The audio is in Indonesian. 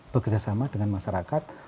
bekerjasama dengan masyarakat